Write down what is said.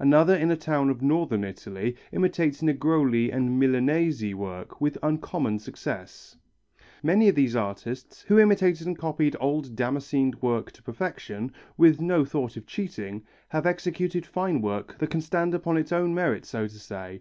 Another in a town of Northern Italy, imitates Negroli and Milanese work with uncommon success. Many of these artists, who imitated and copied old damascened work to perfection, with no thought of cheating, have executed fine work that can stand upon its own merits so to say.